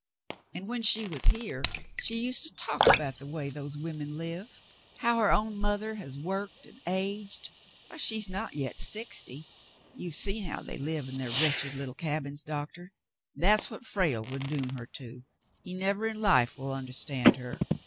xVnd when she was here she used to talk about the wav those women live. How her own mother has worked and aged !^^ hy, she is not yet sixty. You have seen how they live in their wretched little cabins. Doctor; that's what Frale would doom her to. He never in life will understand her.